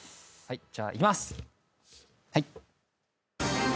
じゃあいきます。